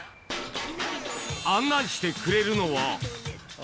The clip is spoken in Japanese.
案内してくれるのは。